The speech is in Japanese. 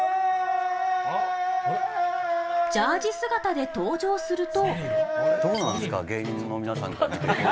ジャージー姿で登場すると。